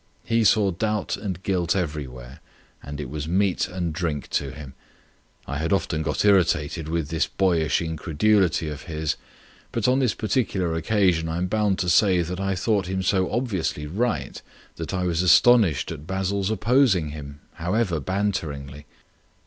He saw doubt and guilt everywhere, and it was meat and drink to him. I had often got irritated with this boyish incredulity of his, but on this particular occasion I am bound to say that I thought him so obviously right that I was astounded at Basil's opposing him, however banteringly.